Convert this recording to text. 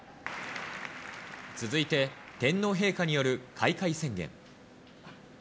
続いて、天皇陛下による開会宣言。